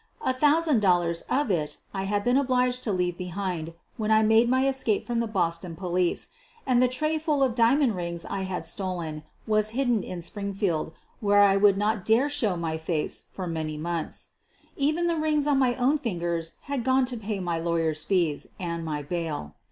A thousand dollars of it I had been obliged to leave behind when I made my escape from the Boston police, and the trayful of diamond rings I had stolen was hidden in Springfield, where I would not dare show my face for many months. Even the rings on my own fingers had gone to pay my lawyers' fees and my bail.